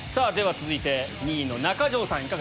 では続いて２位の中条さん